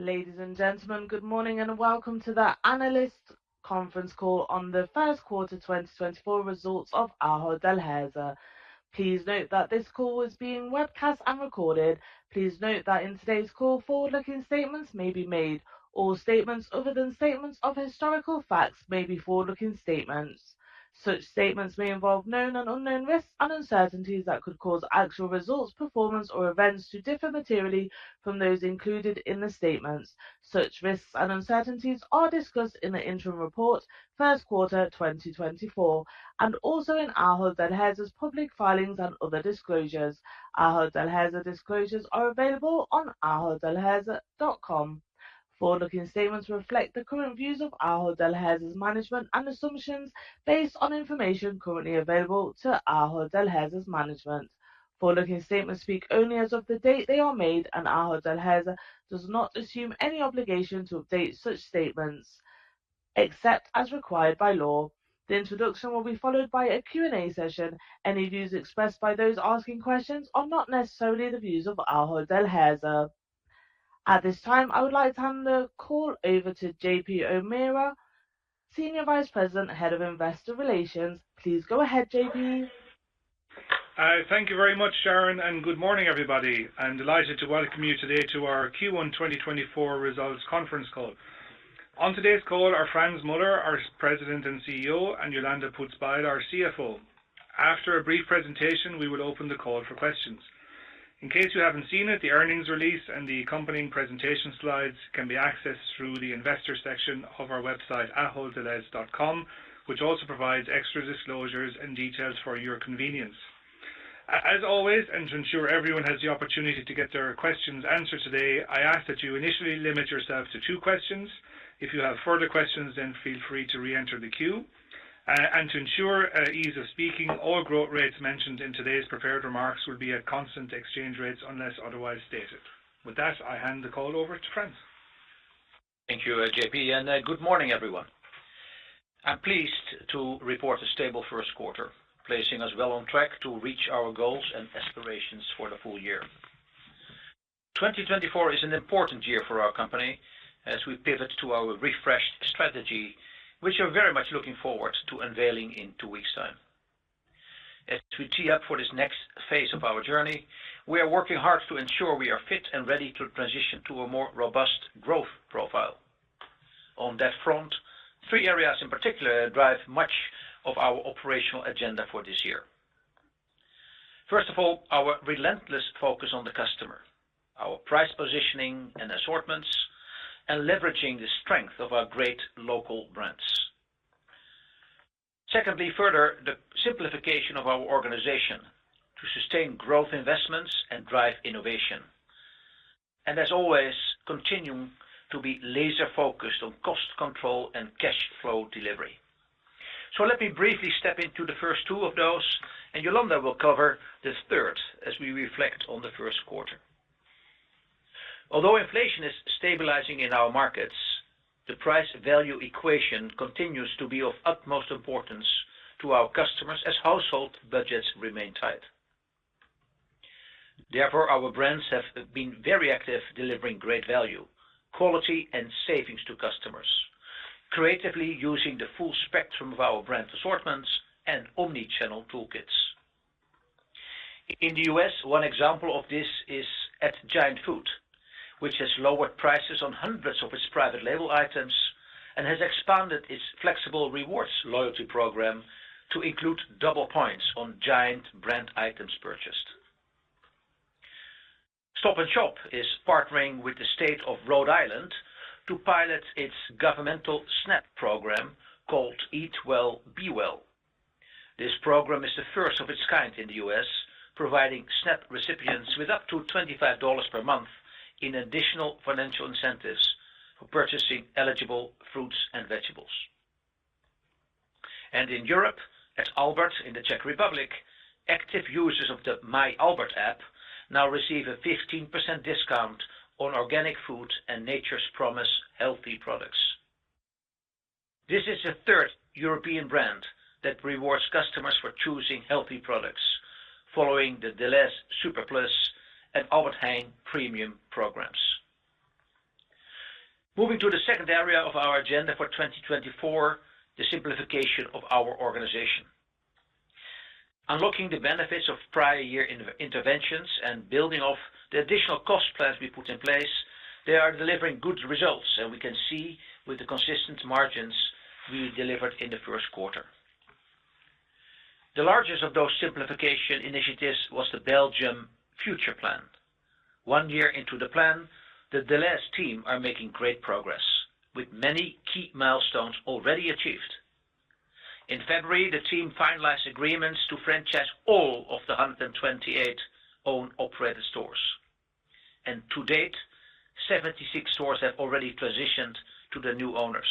Ladies and gentlemen, Good Morning and Welcome to the Analyst Conference Call on the First Quarter 2024 Results of Ahold Delhaize. Please note that this call is being webcast and recorded. Please note that in today's call, forward-looking statements may be made, or statements other than statements of historical facts may be forward-looking statements. Such statements may involve known and unknown risks and uncertainties that could cause actual results, performance, or events to differ materially from those included in the statements. Such risks and uncertainties are discussed in the interim report, first quarter 2024, and also in Ahold Delhaize's public filings and other disclosures. Ahold Delhaize disclosures are available on aholddelhaize.com. Forward-looking statements reflect the current views of Ahold Delhaize's management and assumptions based on information currently available to Ahold Delhaize's management. Forward-looking statements speak only as of the date they are made, and Ahold Delhaize does not assume any obligation to update such statements, except as required by law. The introduction will be followed by a Q&A session. Any views expressed by those asking questions are not necessarily the views of Ahold Delhaize. At this time, I would like to hand the call over to JP O'Meara, Senior Vice President, Head of Investor Relations. Please go ahead, JP. Thank you very much, Sharon, and good morning, everybody. I'm delighted to welcome you today to our Q1 2024 results conference call. On today's call are Frans Muller, our President and CEO, and Jolanda Poots-Bijl, our CFO. After a brief presentation, we will open the call for questions. In case you haven't seen it, the earnings release and the accompanying presentation slides can be accessed through the investor section of our website, aholddelhaize.com, which also provides extra disclosures and details for your convenience. As always, and to ensure everyone has the opportunity to get their questions answered today, I ask that you initially limit yourself to two questions. If you have further questions, then feel free to re-enter the queue. To ensure ease of speaking, all growth rates mentioned in today's prepared remarks will be at constant exchange rates unless otherwise stated. With that, I hand the call over to Frans. Thank you, JP, and good morning, everyone. I'm pleased to report a stable first quarter, placing us well on track to reach our goals and aspirations for the full year. 2024 is an important year for our company as we pivot to our refreshed strategy, which we're very much looking forward to unveiling in two weeks' time. As we tee up for this next phase of our journey, we are working hard to ensure we are fit and ready to transition to a more robust growth profile. On that front, three areas in particular drive much of our operational agenda for this year. First of all, our relentless focus on the customer, our price positioning and assortments, and leveraging the strength of our great local brands. Secondly, further, the simplification of our organization to sustain growth investments and drive innovation. As always, continuing to be laser-focused on cost control and cash flow delivery. So let me briefly step into the first two of those, and Jolanda will cover the third as we reflect on the first quarter. Although inflation is stabilizing in our markets, the price-value equation continues to be of utmost importance to our customers as household budgets remain tight. Therefore, our brands have been very active delivering great value, quality, and savings to customers, creatively using the full spectrum of our brand assortments and omnichannel toolkits. In the U.S., one example of this is at Giant Food, which has lowered prices on hundreds of its private label items and has expanded its flexible rewards loyalty program to include double points on Giant brand items purchased. Stop & Shop is partnering with the state of Rhode Island to pilot its governmental SNAP program called Eat Well, Be Well. This program is the first of its kind in the U.S., providing SNAP recipients with up to $25 per month in additional financial incentives for purchasing eligible fruits and vegetables. In Europe, at Albert in the Czech Republic, active users of the My Albert app now receive a 15% discount on organic food and Nature's Promise healthy products. This is the third European brand that rewards customers for choosing healthy products, following the Delhaize SuperPlus and Albert Heijn Premium programs. Moving to the second area of our agenda for 2024, the simplification of our organization. Unlocking the benefits of prior year interventions and building off the additional cost plans we put in place, they are delivering good results, and we can see with the consistent margins we delivered in the first quarter. The largest of those simplification initiatives was the Belgium Future Plan. One year into the plan, the Delhaize team are making great progress with many key milestones already achieved. In February, the team finalized agreements to franchise all of the 128 owned operated stores. To date, 76 stores have already transitioned to the new owners,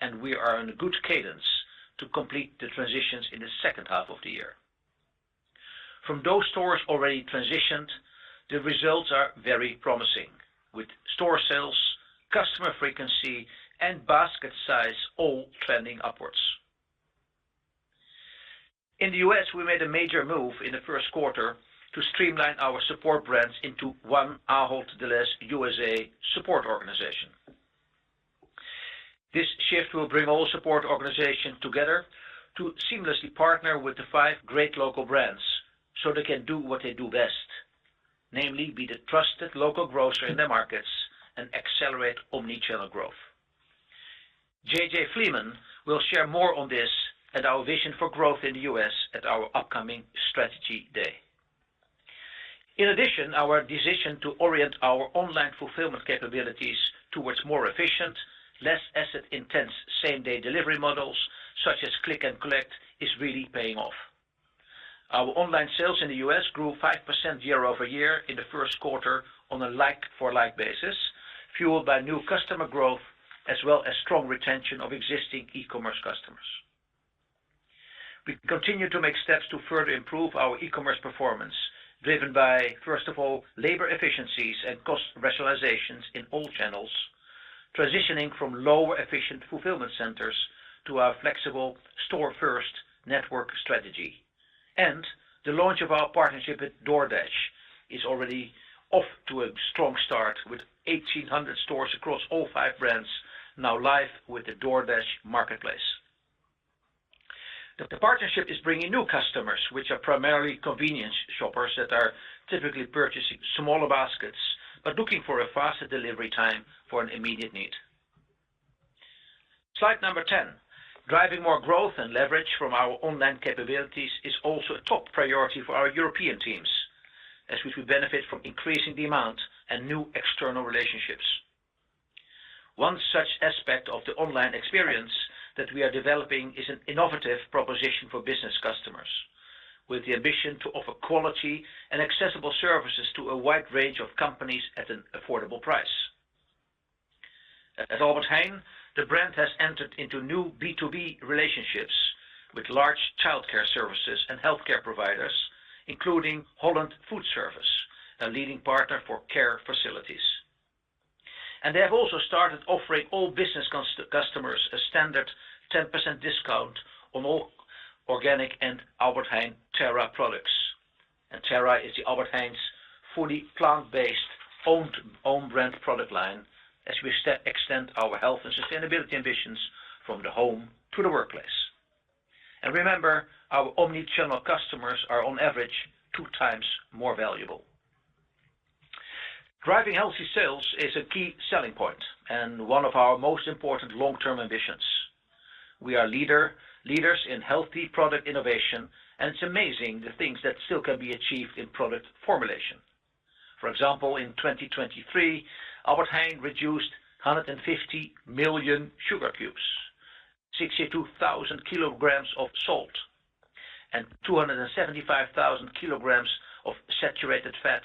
and we are in a good cadence to complete the transitions in the second half of the year. From those stores already transitioned, the results are very promising, with store sales, customer frequency, and basket size all trending upwards. In the U.S., we made a major move in the first quarter to streamline our support brands into one Ahold Delhaize USA support organization. This shift will bring all support organizations together to seamlessly partner with the five great local brands so they can do what they do best, namely be the trusted local grocer in their markets and accelerate omnichannel growth. JJ Fleeman will share more on this and our vision for growth in the U.S. at our upcoming Strategy Day. In addition, our decision to orient our online fulfillment capabilities towards more efficient, less asset-intense same-day delivery models such as click & collect is really paying off. Our online sales in the U.S. grew 5% year-over-year in the first quarter on a like-for-like basis, fueled by new customer growth as well as strong retention of existing e-commerce customers. We continue to make steps to further improve our e-commerce performance, driven by, first of all, labor efficiencies and cost rationalizations in all channels, transitioning from lower-efficient fulfillment centers to our flexible store-first network strategy. The launch of our partnership with DoorDash is already off to a strong start with 1,800 stores across all five brands now live with the DoorDash marketplace. The partnership is bringing new customers, which are primarily convenience shoppers that are typically purchasing smaller baskets but looking for a faster delivery time for an immediate need. Slide number 10: Driving more growth and leverage from our online capabilities is also a top priority for our European teams, as we should benefit from increasing the amount and new external relationships. One such aspect of the online experience that we are developing is an innovative proposition for business customers, with the ambition to offer quality and accessible services to a wide range of companies at an affordable price. At Albert Heijn, the brand has entered into new B2B relationships with large childcare services and healthcare providers, including Holland Food Service, a leading partner for care facilities. They have also started offering all business customers a standard 10% discount on all organic and Albert Heijn Terra products. Terra is the Albert Heijn's fully plant-based, owned-brand product line as we extend our health and sustainability ambitions from the home to the workplace. Remember, our omnichannel customers are, on average, two times more valuable. Driving healthy sales is a key selling point and one of our most important long-term ambitions. We are leaders in healthy product innovation, and it's amazing the things that still can be achieved in product formulation. For example, in 2023, Albert Heijn reduced 150 million sugar cubes, 62,000 kg of salt, and 275,000 kg of saturated fat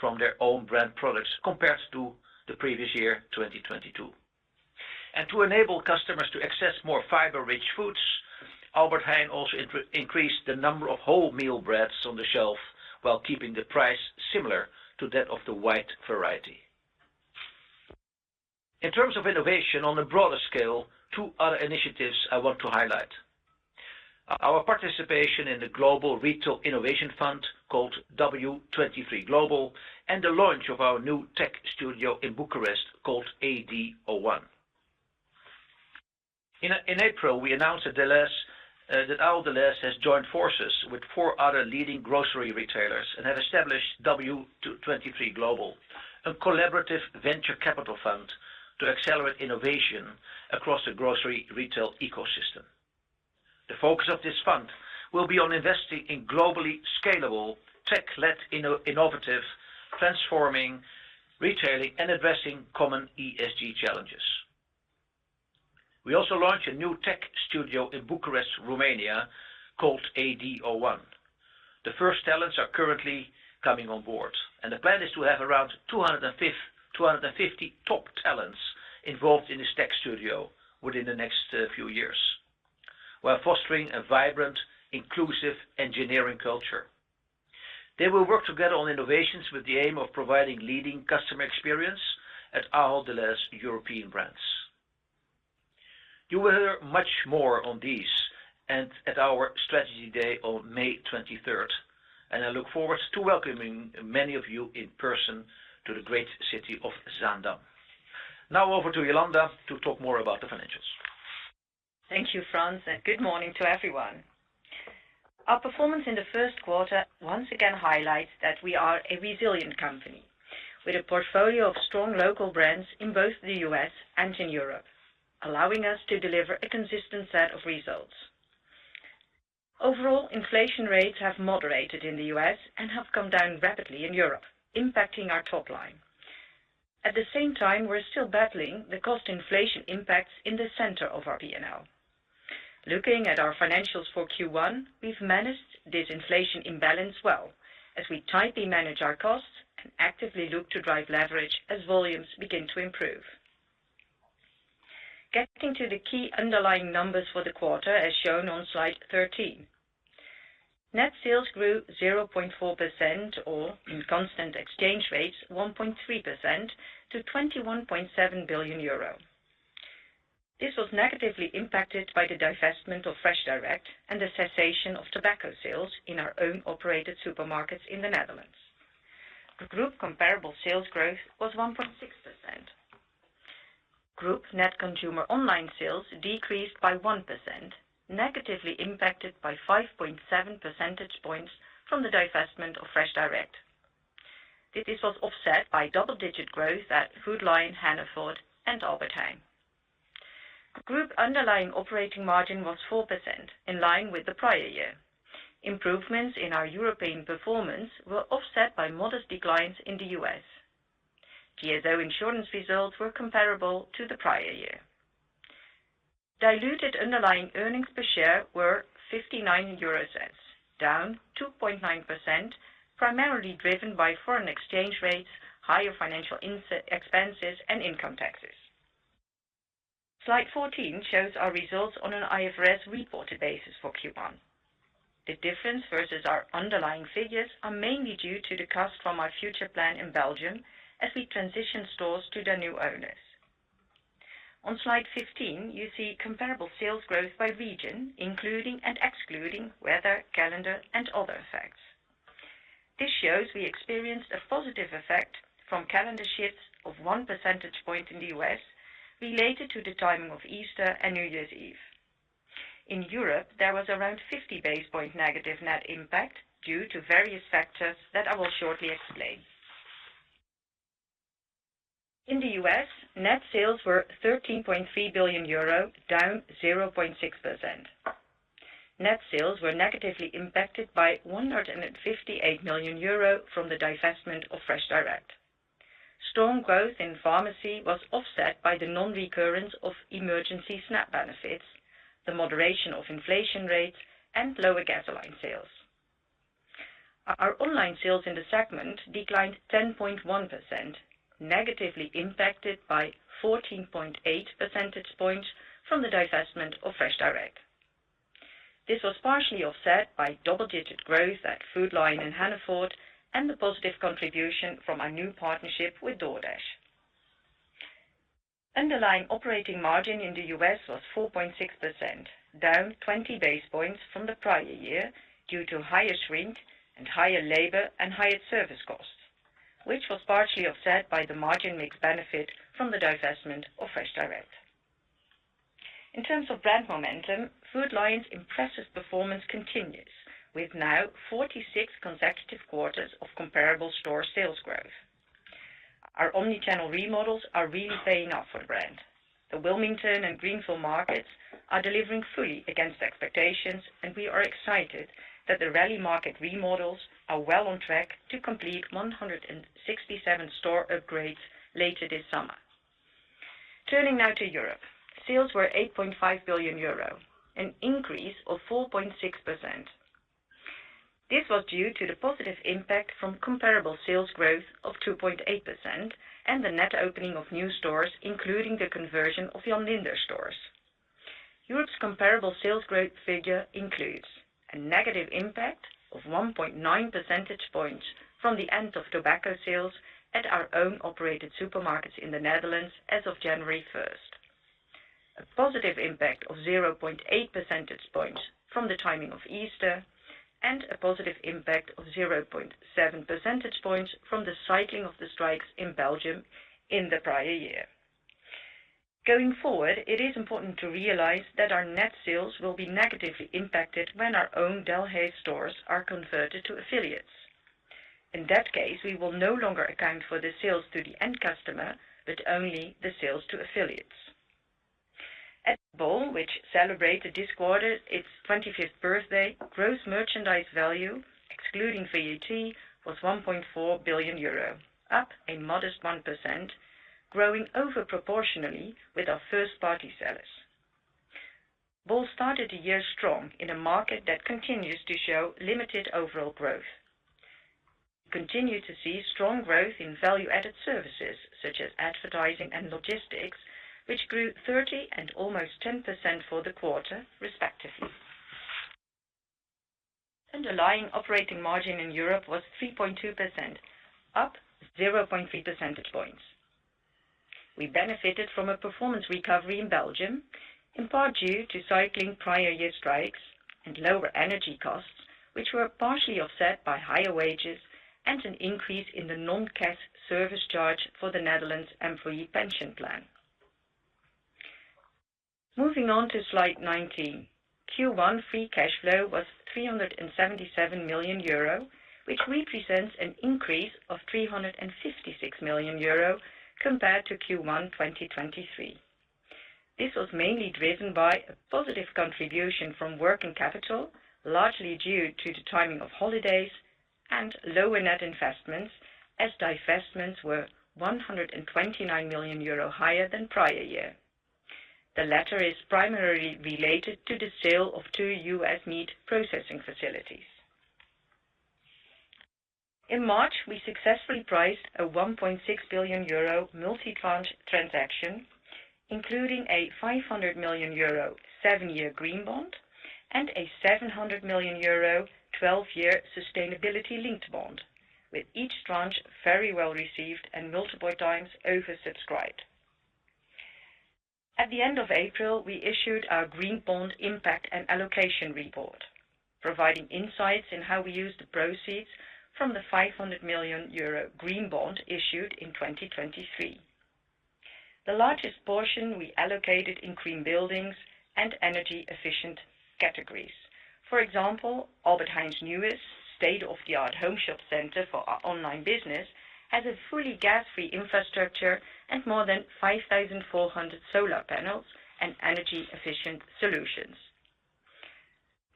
from their own-brand products compared to the previous year, 2022. To enable customers to access more fiber-rich foods, Albert Heijn also increased the number of whole meal breads on the shelf while keeping the price similar to that of the white variety. In terms of innovation on a broader scale, two other initiatives I want to highlight: our participation in the Global Retail Innovation Fund called W23 Global and the launch of our new tech studio in Bucharest called AD/01. In April, we announced at Delhaize that Ahold Delhaize has joined forces with four other leading grocery retailers and have established W23 Global, a collaborative venture capital fund to accelerate innovation across the grocery retail ecosystem. The focus of this fund will be on investing in globally scalable, tech-led innovative, transforming retailing, and addressing common ESG challenges. We also launched a new tech studio in Bucharest, Romania, called AD/01. The first talents are currently coming on board, and the plan is to have around 250 top talents involved in this tech studio within the next few years while fostering a vibrant, inclusive engineering culture. They will work together on innovations with the aim of providing leading customer experience at Ahold Delhaize's European brands. You will hear much more on these and at our Strategy Day on May 23rd, and I look forward to welcoming many of you in person to the great city of Zaandam. Now over to Jolanda to talk more about the financials. Thank you, Frans, and good morning to everyone. Our performance in the first quarter once again highlights that we are a resilient company with a portfolio of strong local brands in both the U.S. and in Europe, allowing us to deliver a consistent set of results. Overall, inflation rates have moderated in the U.S. and have come down rapidly in Europe, impacting our top line. At the same time, we're still battling the cost inflation impacts in the center of our P&L. Looking at our financials for Q1, we've managed this inflation imbalance well as we tightly manage our costs and actively look to drive leverage as volumes begin to improve. Getting to the key underlying numbers for the quarter, as shown on slide 13: net sales grew 0.4% or, in constant exchange rates, 1.3% to 21.7 billion euro. This was negatively impacted by the divestment of FreshDirect and the cessation of tobacco sales in our own operated supermarkets in the Netherlands. Group comparable sales growth was 1.6%. Group net consumer online sales decreased by 1%, negatively impacted by 5.7% points from the divestment of FreshDirect. This was offset by double-digit growth at Food Lion, Hannaford, and Albert Heijn. Group underlying operating margin was 4%, in line with the prior year. Improvements in our European performance were offset by modest declines in the U.S. GSO insurance results were comparable to the prior year. Diluted underlying earnings per share were 59 euro, down 2.9%, primarily driven by foreign exchange rates, higher financial expenses, and income taxes. Slide 14 shows our results on an IFRS reported basis for Q1. The difference versus our underlying figures are mainly due to the cost from our future plan in Belgium as we transition stores to their new owners. On slide 15, you see comparable sales growth by region, including and excluding weather, calendar, and other effects. This shows we experienced a positive effect from calendar shifts of 1% point in the U.S. related to the timing of Easter and New Year's Eve. In Europe, there was around 50 base points negative net impact due to various factors that I will shortly explain. In the U.S., net sales were 13.3 billion euro, down 0.6%. Net sales were negatively impacted by 158 million euro from the divestment of FreshDirect. Strong growth in pharmacy was offset by the non-recurrence of emergency SNAP benefits, the moderation of inflation rates, and lower gasoline sales. Our online sales in the segment declined 10.1%, negatively impacted by 14.8% points from the divestment of FreshDirect. This was partially offset by double-digit growth at Food Lion and Hannaford and the positive contribution from our new partnership with DoorDash. Underlying operating margin in the U.S. was 4.6%, down 20 basis points from the prior year due to higher shrink and higher labor and higher service costs, which was partially offset by the margin mix benefit from the divestment of FreshDirect. In terms of brand momentum, Food Lion's impressive performance continues, with now 46 consecutive quarters of comparable store sales growth. Our omnichannel remodels are really paying off for the brand. The Wilmington and Greenville markets are delivering fully against expectations, and we are excited that the Raleigh market remodels are well on track to complete 167 store upgrades later this summer. Turning now to Europe: sales were 8.5 billion euro, an increase of 4.6%. This was due to the positive impact from comparable sales growth of 2.8% and the net opening of new stores, including the conversion of Jan Linders stores. Europe's comparable sales growth figure includes a negative impact of 1.9% points from the end of tobacco sales at our own operated supermarkets in the Netherlands as of January 1st, a positive impact of 0.8% points from the timing of Easter, and a positive impact of 0.7% points from the cycling of the strikes in Belgium in the prior year. Going forward, it is important to realize that our net sales will be negatively impacted when our own Delhaize stores are converted to affiliates. In that case, we will no longer account for the sales to the end customer but only the sales to affiliates. At Bol, which celebrated this quarter its 25th birthday, gross merchandise value, excluding VAT, was 1.4 billion euro, up a modest 1%, growing over proportionally with our first-party sellers. Bol started the year strong in a market that continues to show limited overall growth. We continue to see strong growth in value-added services such as advertising and logistics, which grew 30% and almost 10% for the quarter, respectively. Underlying operating margin in Europe was 3.2%, up 0.3% points. We benefited from a performance recovery in Belgium, in part due to cycling prior year strikes and lower energy costs, which were partially offset by higher wages and an increase in the non-cash service charge for the Netherlands' employee pension plan. Moving on to slide 19: Q1 free cash flow was 377 million euro, which represents an increase of 356 million euro compared to Q1 2023. This was mainly driven by a positive contribution from working capital, largely due to the timing of holidays, and lower net investments, as divestments were 129 million euro higher than prior year. The latter is primarily related to the sale of two U.S. meat processing facilities. In March, we successfully priced a 1.6 billion euro multi-tranche transaction, including a 500 million euro seven-year green bond and a 700 million euro 12-year sustainability-linked bond, with each tranche very well received and multiple times oversubscribed. At the end of April, we issued our green bond impact and allocation report, providing insights into how we used the proceeds from the 500 million euro green bond issued in 2023. The largest portion we allocated in green buildings and energy-efficient categories. For example, Albert Heijn's newest, state-of-the-art home shopping center for our online business has a fully gas-free infrastructure and more than 5,400 solar panels and energy-efficient solutions.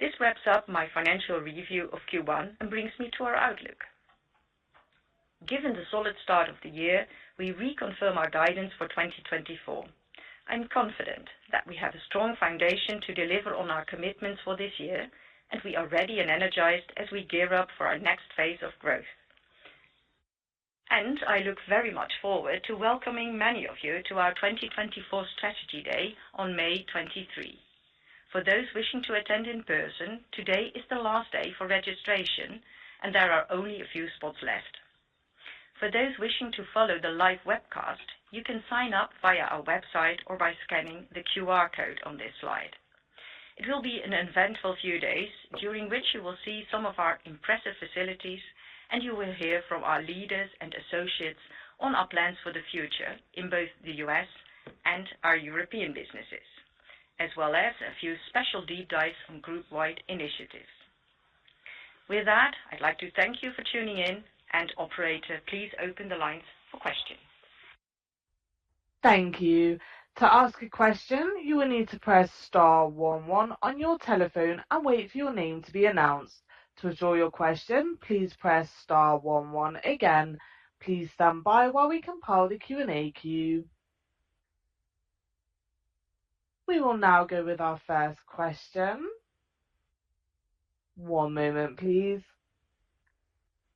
This wraps up my financial review of Q1 and brings me to our outlook. Given the solid start of the year, we reconfirm our guidance for 2024. I'm confident that we have a strong foundation to deliver on our commitments for this year, and we are ready and energized as we gear up for our next phase of growth. I look very much forward to welcoming many of you to our 2024 Strategy Day on May 23rd. For those wishing to attend in person, today is the last day for registration, and there are only a few spots left. For those wishing to follow the live webcast, you can sign up via our website or by scanning the QR code on this slide. It will be an eventful few days during which you will see some of our impressive facilities, and you will hear from our leaders and associates on our plans for the future in both the U.S. and our European businesses, as well as a few special deep dives on group-wide initiatives. With that, I'd like to thank you for tuning in, and operator, please open the lines for questions. Thank you. To ask a question, you will need to press star one one on your telephone and wait for your name to be announced. To address your question, please press star one one again. Please stand by while we compile the Q&A queue. We will now go with our first question. One moment, please.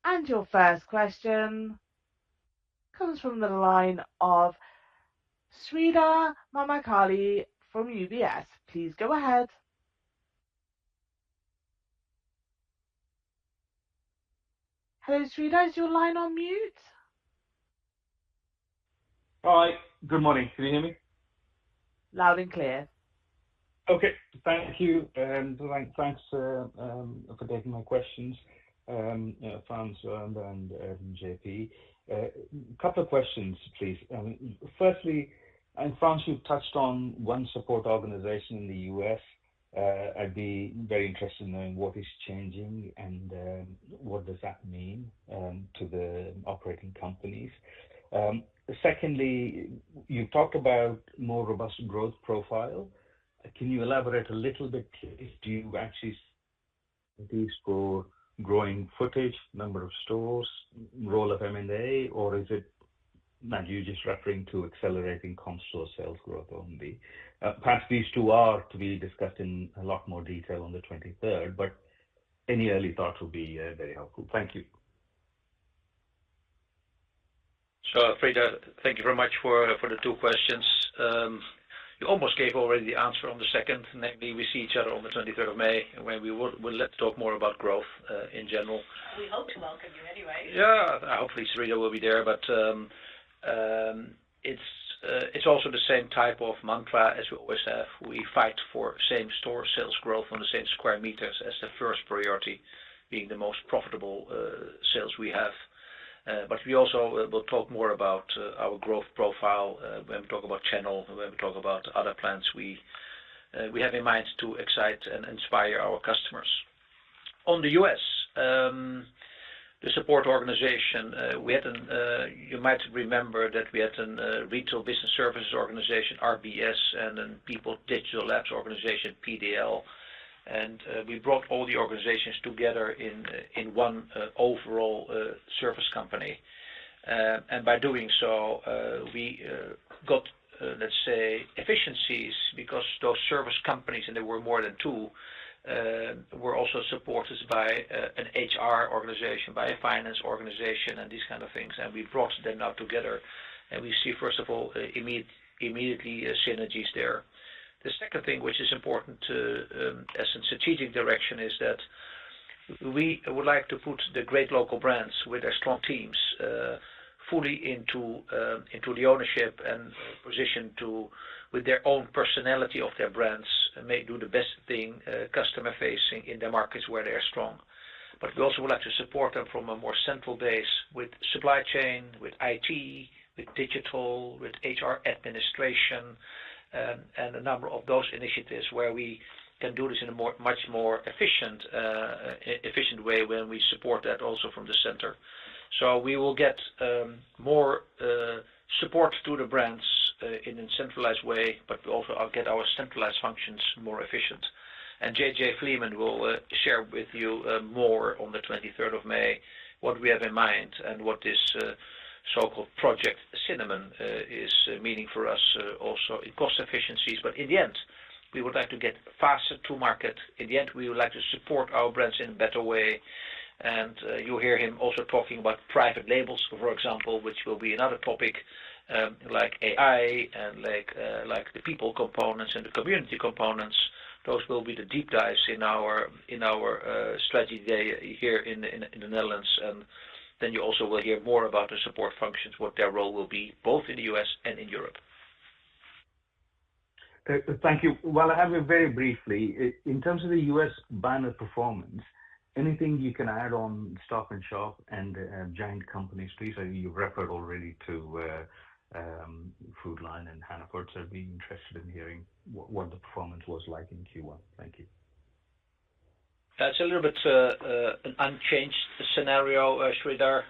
And your first question comes from the line of Sreedhar Mahamkali from UBS. Please go ahead. Hello, Sreedhar. Is your line on mute? Hi. Good morning. Can you hear me? Loud and clear. Okay. Thank you. And thanks for taking my questions, Frans, and JP. A couple of questions, please. Firstly, Frans, you've touched on one support organization in the U.S. I'd be very interested in knowing what is changing and what does that mean to the operating companies. Secondly, you've talked about a more robust growth profile. Can you elaborate a little bit, please? Do you actually think these are for growing footage, number of stores, role of M&A, or is it that you're just referring to accelerating comp store sales growth only? Perhaps these two are to be discussed in a lot more detail on the 23rd, but any early thoughts would be very helpful. Thank you. Sure. Sreedhar, thank you very much for the two questions. You almost gave already the answer on the second, namely, we see each other on the May 23rd, and we would like to talk more about growth in general. We hope to welcome you anyway. Yeah. Hopefully, Sreedhar will be there. But it's also the same type of mantra as we always have. We fight for same store sales growth on the same square meters as the first priority, being the most profitable sales we have. But we also will talk more about our growth profile when we talk about channel, when we talk about other plans we have in mind to excite and inspire our customers. On the U.S., the support organization, you might remember that we had a Retail Business Services organization, RBS, and a Peapod Digital Labs organization, PDL. And we brought all the organizations together in one overall service company. And by doing so, we got, let's say, efficiencies because those service companies, and there were more than two, were also supported by an HR organization, by a finance organization, and these kind of things. We brought them now together, and we see, first of all, immediately synergies there. The second thing, which is important as a strategic direction, is that we would like to put the great local brands with their strong teams fully into the ownership and position to, with their own personality of their brands, do the best thing customer-facing in the markets where they are strong. But we also would like to support them from a more central base with supply chain, with IT, with digital, with HR administration, and a number of those initiatives where we can do this in a much more efficient way when we support that also from the center. So we will get more support to the brands in a centralized way, but we also will get our centralized functions more efficient. JJ Fleeman will share with you more on the May 23rd what we have in mind and what this so-called Project Cinnamon is meaning for us also in cost efficiencies. In the end, we would like to get faster to market. In the end, we would like to support our brands in a better way. You'll hear him also talking about private labels, for example, which will be another topic, like AI and like the people components and the community components. Those will be the deep dives in our strategy day here in the Netherlands. Then you also will hear more about the support functions, what their role will be both in the U.S. and in Europe. Thank you. Well, I have you very briefly. In terms of the US business and performance, anything you can add on Stop & Shop and Giant companies, please? You've referred already to Food Lion and Hannaford. So I'd be interested in hearing what the performance was like in Q1. Thank you. That's a little bit an unchanged scenario, Sreedhar.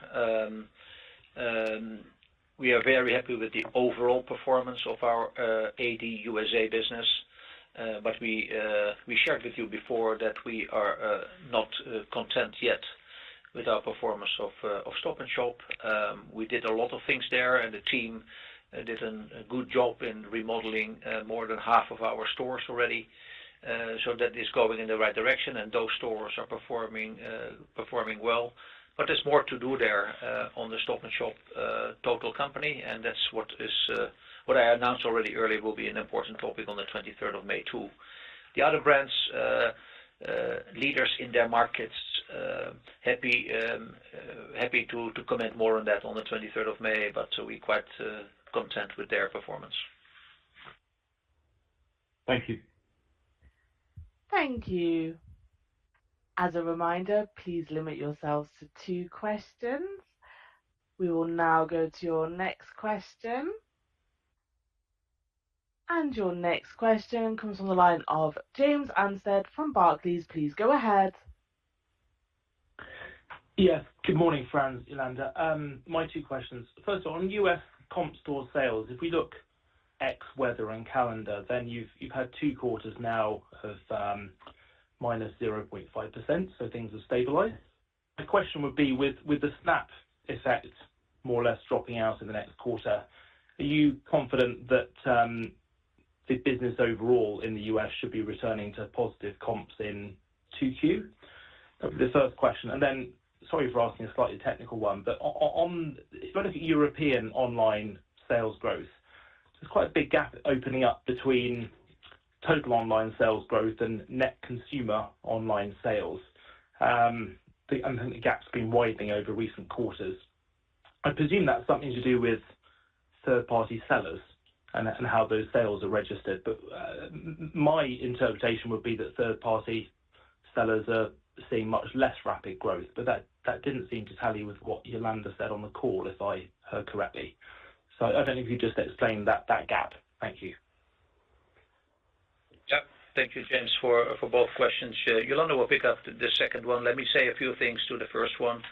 We are very happy with the overall performance of our Ahold Delhaize USA business. But we shared with you before that we are not content yet with our performance of Stop & Shop. We did a lot of things there, and the team did a good job in remodeling more than half of our stores already. So that is going in the right direction, and those stores are performing well. But there's more to do there on the Stop & Shop total company, and that's what I announced already earlier will be an important topic on the May 23rd, too. The other brands, leaders in their markets, happy to comment more on that on the May 23rd, but we're quite content with their performance. Thank you. Thank you. As a reminder, please limit yourselves to two questions. We will now go to your next question. Your next question comes from the line of James Anstead from Barclays. Please go ahead. Yeah. Good morning, Frans, Jolanda. My two questions. First of all, on U.S. comp store sales, if we look at ex weather and calendar, then you've had two quarters now of -0.5%, so things have stabilized. My question would be, with the SNAP effect more or less dropping out in the next quarter, are you confident that the business overall in the U.S. should be returning to positive comps in 2Q? That would be the first question. And then, sorry for asking a slightly technical one, but if I look at European online sales growth, there's quite a big gap opening up between total online sales growth and net consumer online sales. I think the gap's been widening over recent quarters. I presume that's something to do with third-party sellers and how those sales are registered. But my interpretation would be that third-party sellers are seeing much less rapid growth. But that didn't seem to tally with what Jolanda said on the call, if I heard correctly. So I don't know if you could just explain that gap? Thank you. Yep. Thank you, James, for both questions. Jolanda will pick up the second one. Let me say a few things to the first one.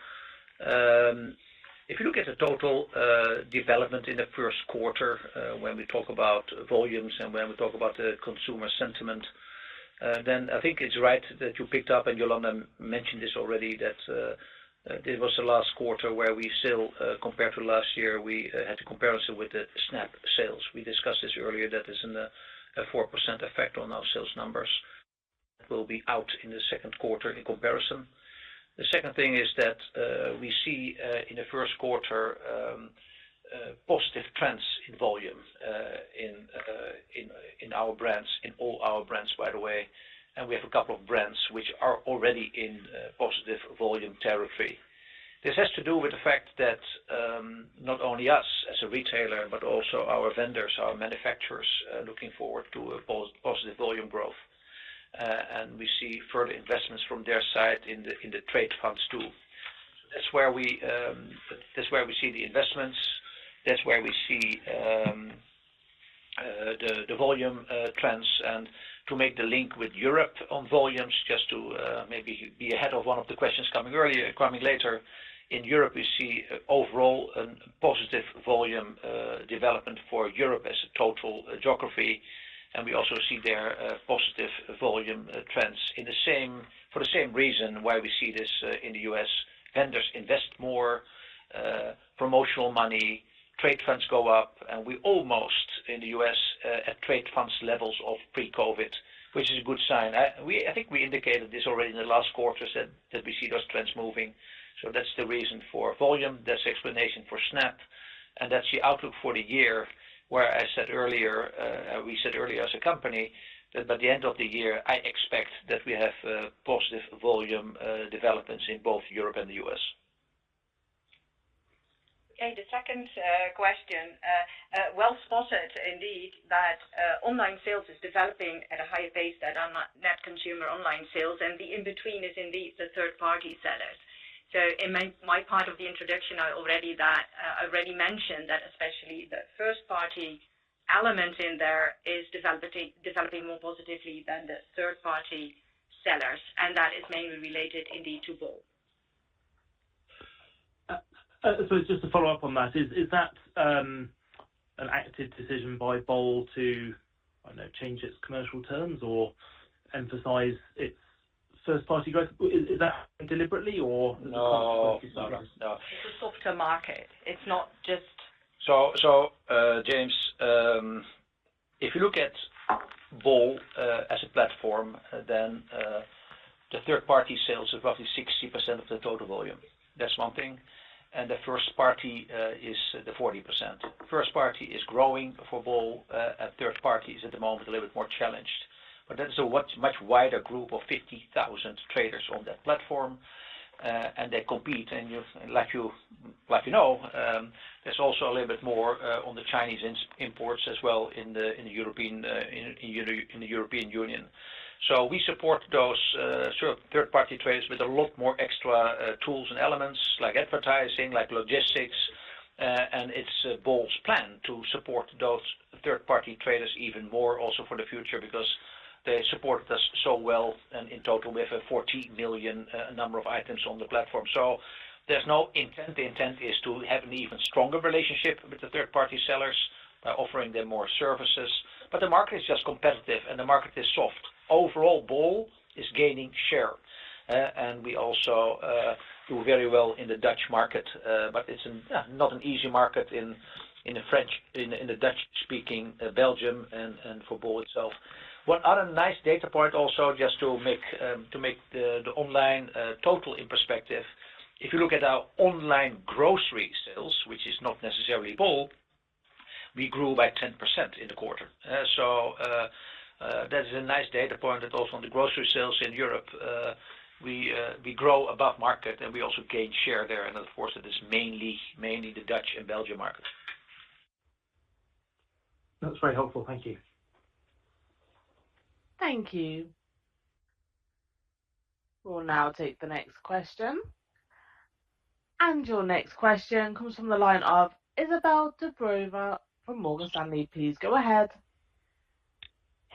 If you look at the total development in the first quarter when we talk about volumes and when we talk about the consumer sentiment, then I think it's right that you picked up, and Jolanda mentioned this already, that this was the last quarter where we still, compared to last year, we had a comparison with the SNAP sales. We discussed this earlier, that there's a 4% effect on our sales numbers. That will be out in the second quarter in comparison. The second thing is that we see in the first quarter positive trends in volume in our brands, in all our brands, by the way. And we have a couple of brands which are already in positive volume territory. This has to do with the fact that not only us as a retailer, but also our vendors, our manufacturers, are looking forward to positive volume growth. We see further investments from their side in the trade funds, too. That's where we see the investments. That's where we see the volume trends. To make the link with Europe on volumes, just to maybe be ahead of one of the questions coming later, in Europe, we see overall a positive volume development for Europe as a total geography. We also see there positive volume trends for the same reason why we see this in the U.S. Vendors invest more, promotional money, trade funds go up, and we almost, in the U.S., at trade funds levels of pre-COVID, which is a good sign. I think we indicated this already in the last quarter, said that we see those trends moving. So that's the reason for volume. That's the explanation for SNAP. And that's the outlook for the year, where I said earlier as a company that by the end of the year, I expect that we have positive volume developments in both Europe and the U.S. Okay. The second question. Well spotted, indeed, that online sales is developing at a higher pace than net consumer online sales, and the in-between is indeed the third-party sellers. So in my part of the introduction, I already mentioned that especially the first-party element in there is developing more positively than the third-party sellers, and that is mainly related, indeed, to bol. So just to follow up on that, is that an active decision by bol to, I don't know, change its commercial terms or emphasize its first-party growth? Is that deliberately, or is it a consequence of sellers? No. No. It's a soft to market. It's not just. So, James, if you look at bol as a platform, then the third-party sales are roughly 60% of the total volume. That's one thing. And the first party is the 40%. First party is growing for bol, and third party is at the moment a little bit more challenged. But that is a much wider group of 50,000 traders on that platform, and they compete. And like you know, there's also a little bit more on the Chinese imports as well in the European Union. So we support those third-party traders with a lot more extra tools and elements like advertising, like logistics. It's bol's plan to support those third-party traders even more also for the future because they supported us so well and in total we have a 40 million number of items on the platform. So there's no intent. The intent is to have an even stronger relationship with the third-party sellers by offering them more services. But the market is just competitive, and the market is soft. Overall, bol is gaining share. And we also do very well in the Dutch market, but it's not an easy market in the Dutch-speaking Belgium and for bol itself. One other nice data point also, just to make the online total in perspective, if you look at our online grocery sales, which is not necessarily bol, we grew by 10% in the quarter. That is a nice data point that also, on the grocery sales in Europe, we grow above market, and we also gain share there. Of course, it is mainly the Dutch and Belgian market. That's very helpful. Thank you. Thank you. We'll now take the next question. Your next question comes from the line of Izabel Dobreva from Morgan Stanley. Please go ahead.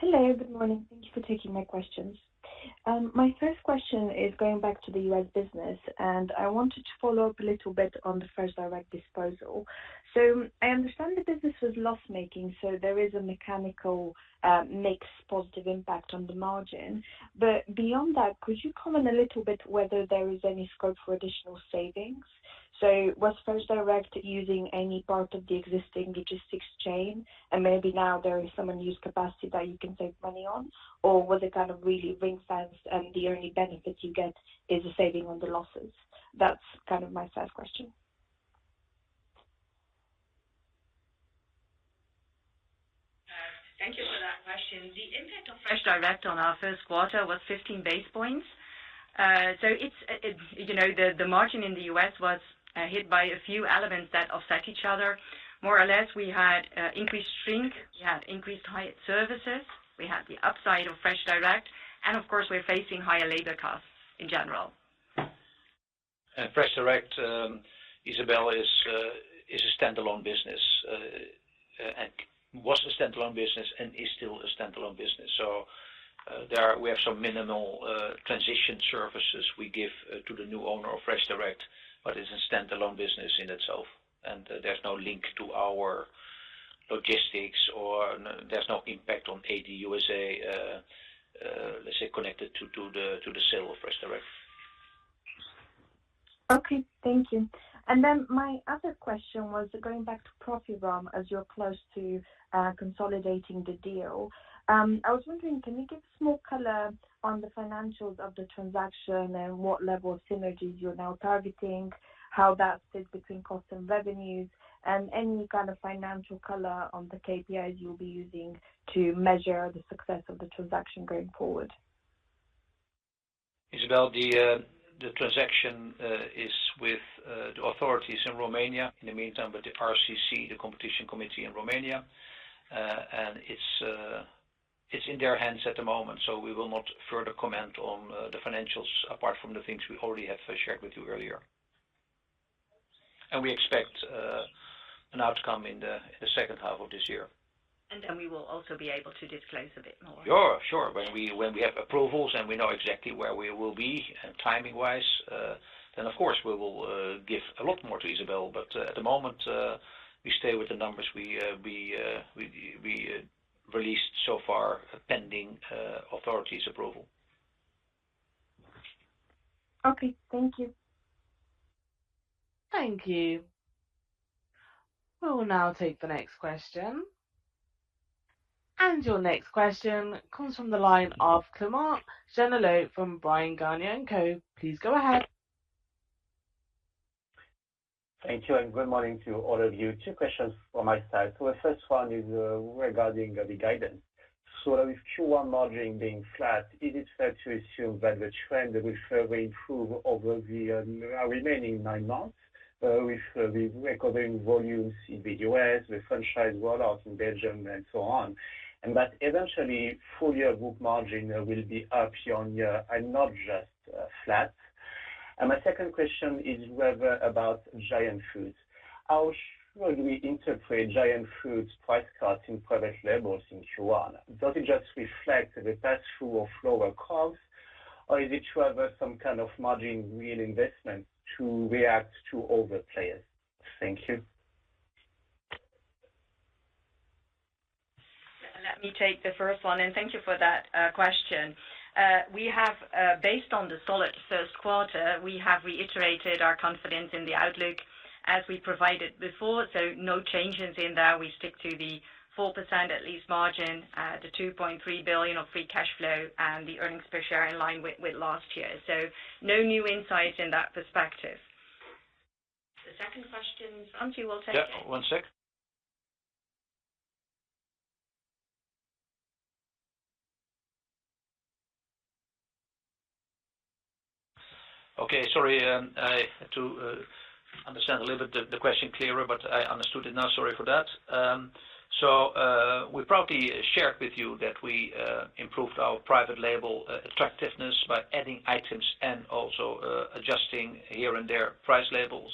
Hello. Good morning. Thank you for taking my questions. My first question is going back to the U.S. business, and I wanted to follow up a little bit on the FreshDirect disposal. So I understand the business was loss-making, so there is a mechanical mix positive impact on the margin. But beyond that, could you comment a little bit whether there is any scope for additional savings? So was FreshDirect using any part of the existing logistics chain, and maybe now there is some unused capacity that you can save money on, or was it kind of really ring-fenced and the only benefit you get is a saving on the losses? That's kind of my first question. Thank you for that question. The impact of FreshDirect on our first quarter was 15 basis points. So the margin in the U.S. was hit by a few elements that offset each other. More or less, we had increased strength. We had increased high-end services. We had the upside of FreshDirect. And of course, we're facing higher labor costs in general. FreshDirect, Isabelle, is a standalone business and was a standalone business and is still a standalone business. We have some minimal transition services we give to the new owner of FreshDirect, but it's a standalone business in itself. There's no link to our logistics, or there's no impact on AD USA, let's say, connected to the sale of FreshDirect. Okay. Thank you. And then my other question was going back to Profi as you're close to consolidating the deal. I was wondering, can you give some more color on the financials of the transaction and what level of synergies you're now targeting, how that sits between costs and revenues, and any kind of financial color on the KPIs you'll be using to measure the success of the transaction going forward? Isabelle, the transaction is with the authorities in Romania, in the meantime with the RCC, the Competition Committee in Romania. It's in their hands at the moment, so we will not further comment on the financials apart from the things we already have shared with you earlier. We expect an outcome in the second half of this year. Then we will also be able to disclose a bit more. Sure. Sure. When we have approvals and we know exactly where we will be timing-wise, then of course, we will give a lot more to Isabelle. But at the moment, we stay with the numbers we released so far pending authorities' approval. Okay. Thank you. Thank you. We'll now take the next question. Your next question comes from the line of Clément Genelot from Bryan Garnier & Co. Please go ahead. Thank you, and good morning to all of you. Two questions from my side. So the first one is regarding the guidance. So with Q1 margin being flat, is it fair to assume that the trend will further improve over the remaining nine months with recovering volumes in the U.S., the franchise rollout in Belgium, and so on, and that eventually full-year book margin will be up year-over-year and not just flat? And my second question is rather about Giant Food. How should we interpret Giant Food's price cuts in private labels in Q1? Does it just reflect the pass-through or floor of costs, or is it rather some kind of margin reinvestment to react to other players? Thank you. Let me take the first one, and thank you for that question. Based on the solid first quarter, we have reiterated our confidence in the outlook as we provided before, so no changes in there. We stick to the 4%-at-least margin, the 2.3 billion of free cash flow, and the earnings per share in line with last year. So no new insights in that perspective. The second question, Frans, you will take it. Yeah. One sec. Okay. Sorry. I had to understand a little bit the question clearer, but I understood it now. Sorry for that. So we proudly shared with you that we improved our Private Label attractiveness by adding items and also adjusting here and there price levels.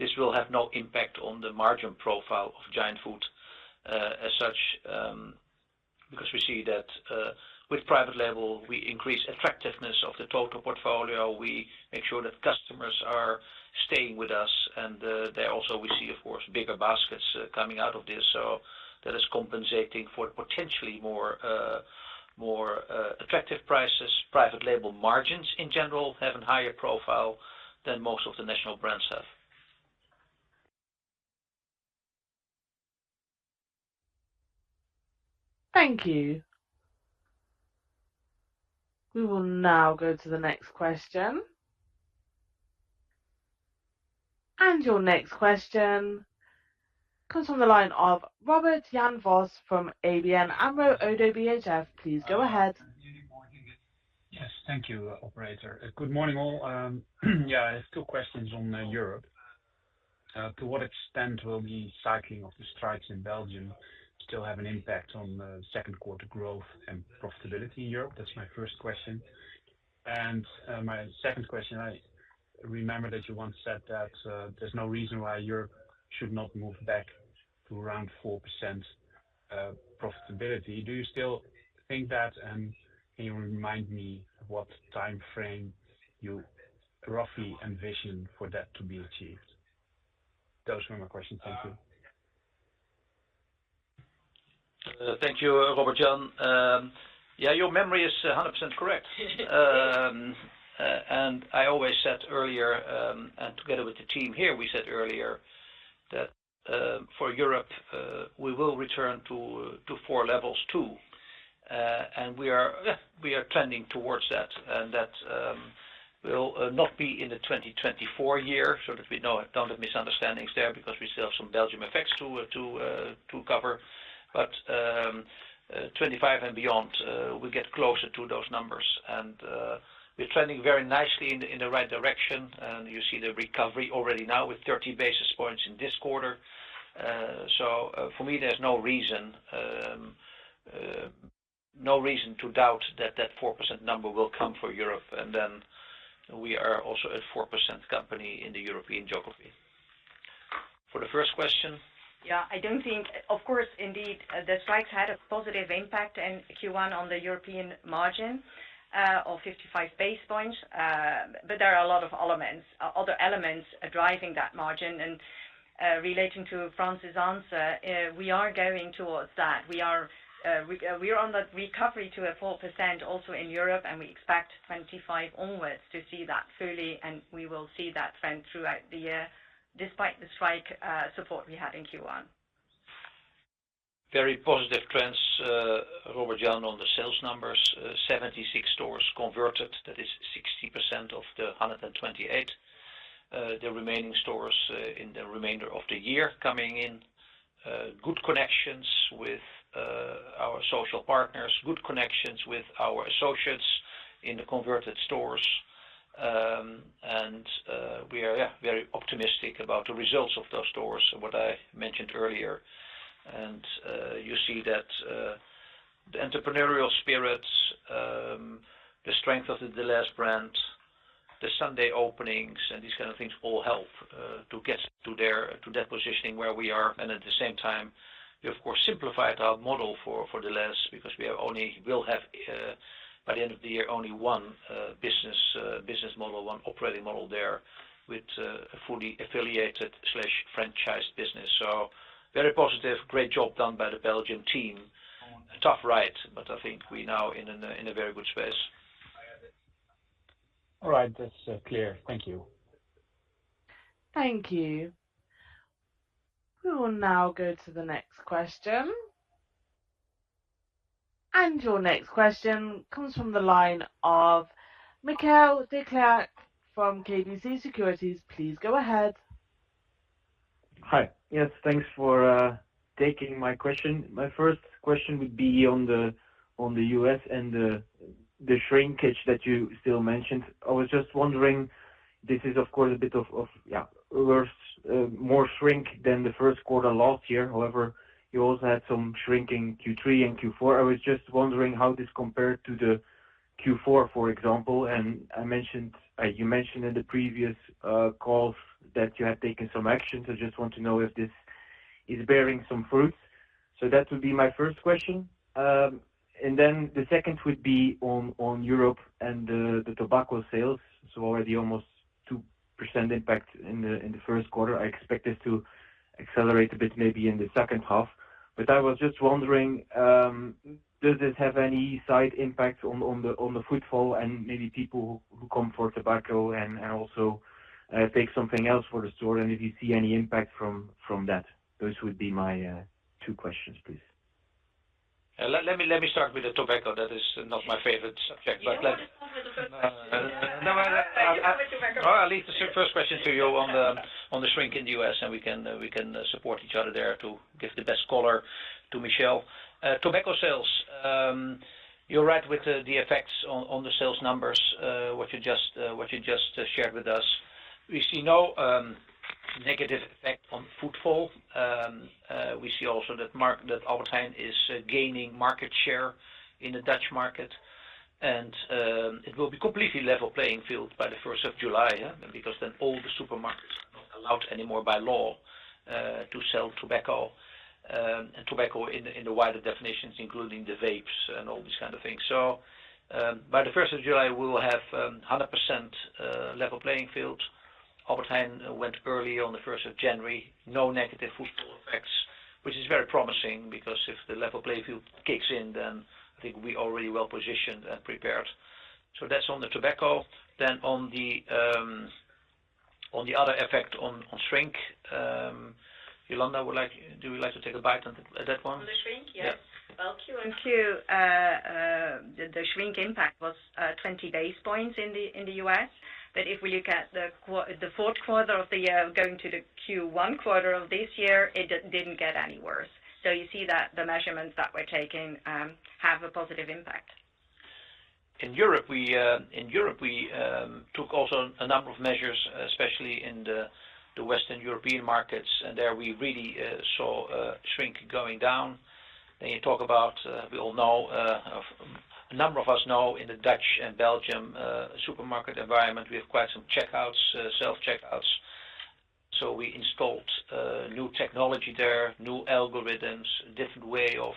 This will have no impact on the margin profile of Giant Food as such because we see that with Private Label, we increase attractiveness of the total portfolio. We make sure that customers are staying with us, and there also, we see, of course, bigger baskets coming out of this. So that is compensating for potentially more attractive prices. Private Label margins, in general, have a higher profile than most of the national brands have. Thank you. We will now go to the next question. And your next question comes from the line of Robert-Jan Vos from ABN AMRO ODDO BHF. Please go ahead. Yes. Thank you, operator. Good morning, all. Yeah. I have two questions on Europe. To what extent will the cycling of the strikes in Belgium still have an impact on second-quarter growth and profitability in Europe? That's my first question. My second question, I remember that you once said that there's no reason why Europe should not move back to around 4% profitability. Do you still think that, and can you remind me of what timeframe you roughly envision for that to be achieved? Those were my questions. Thank you. Thank you, Robert-Jan. Yeah. Your memory is 100% correct. I always said earlier, and together with the team here, we said earlier that for Europe, we will return to four levels, too. We are trending towards that, and that will not be in the 2024 year so that we don't have misunderstandings there because we still have some Belgium effects to cover. But 2025 and beyond, we get closer to those numbers. We're trending very nicely in the right direction, and you see the recovery already now with 30 basis points in this quarter. So for me, there's no reason to doubt that that 4% number will come for Europe, and then we are also a 4% company in the European geography. For the first question. Yeah. I don't think of course, indeed, the strikes had a positive impact in Q1 on the European margin of 55 basis points, but there are a lot of other elements driving that margin. Relating to Frans' answer, we are going towards that. We are on that recovery to a 4% also in Europe, and we expect 2025 onwards to see that fully, and we will see that trend throughout the year despite the strike support we had in Q1. Very positive trends, Robert-Jan, on the sales numbers. 76 stores converted. That is 60% of the 128. The remaining stores in the remainder of the year coming in. Good connections with our social partners. Good connections with our associates in the converted stores. We are, yeah, very optimistic about the results of those stores and what I mentioned earlier. You see that the entrepreneurial spirit, the strength of the Delhaize brand, the Sunday openings, and these kind of things all help to get to that positioning where we are. At the same time, we, of course, simplified our model for Delhaize because we will have by the end of the year only one business model, one operating model there with a fully affiliated/franchised business. Very positive. Great job done by the Belgian team. A tough ride, but I think we're now in a very good space. All right. That's clear. Thank you. Thank you. We will now go to the next question. Your next question comes from the line of Michiel Declercq from KBC Securities. Please go ahead. Hi. Yes. Thanks for taking my question. My first question would be on the U.S. and the shrinkage that you still mentioned. I was just wondering this is, of course, a bit of, yeah, more shrink than the first quarter last year. However, you also had some shrinking Q3 and Q4. I was just wondering how this compared to the Q4, for example. And you mentioned in the previous calls that you had taken some actions. I just want to know if this is bearing some fruits. So that would be my first question. And then the second would be on Europe and the tobacco sales. So already almost 2% impact in the first quarter. I expect this to accelerate a bit maybe in the second half. I was just wondering, does this have any side impact on the footfall and maybe people who come for tobacco and also take something else for the store and if you see any impact from that? Those would be my two questions, please. Let me start with the tobacco. That is not my favorite subject, but. Yeah. Let's start with the first question. No, I leave the first question to you on the shrink in the U.S., and we can support each other there to give the best color to Michiel. Tobacco sales, you're right with the effects on the sales numbers, what you just shared with us. We see no negative effect on footfall. We see also that Albert Heijn is gaining market share in the Dutch market, and it will be completely level playing field by the July 1st, because then all the supermarkets are not allowed anymore by law to sell tobacco in the wider definitions, including the vapes and all these kind of things. So by the July 1st, we will have 100% level playing field. Albert Heijn went early on the January 1st. No negative footfall effects, which is very promising because if the level playing field kicks in, then I think we're already well positioned and prepared. So that's on the tobacco. Then on the other effect on shrink, Jolanda, do you like to take a bite at that one? On the shrink? Yes. Well, Q1. Thank you. The shrink impact was 20 basis points in the U.S., but if we look at the fourth quarter of the year going to the Q1 quarter of this year, it didn't get any worse. So you see that the measurements that we're taking have a positive impact. In Europe, we took also a number of measures, especially in the Western European markets, and there we really saw shrink going down. Then you talk about we all know a number of us know in the Dutch and Belgian supermarket environment, we have quite some checkouts, self-checkouts. So we installed new technology there, new algorithms, a different way of